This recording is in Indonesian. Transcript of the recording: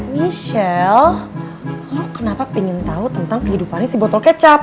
michelle lo kenapa pengen tau tentang kehidupannya si botol kecap